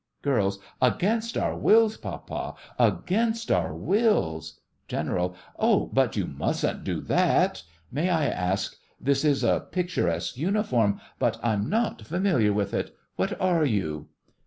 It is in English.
GIRLS: Against our wills, Papa—against our wills! GENERAL: Oh, but you mustn't do that! May I ask— this is a picturesque uniform, but I'm not familiar with it. What are you?